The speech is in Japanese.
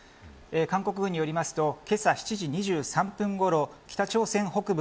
韓国軍によりますとけさ７時２３分ごろ